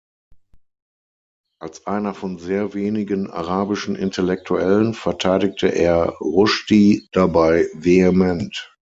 Als einer von sehr wenigen arabischen Intellektuellen verteidigte er Rushdie dabei vehement.